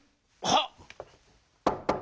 はっ！